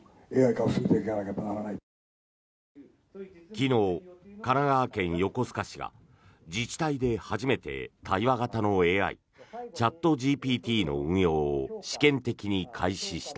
昨日、神奈川県横須賀市が自治体で初めて対話型のＡＩチャットＧＰＴの運用を試験的に開始した。